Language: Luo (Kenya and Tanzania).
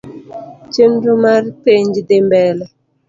Chenro mar penj dhi mbele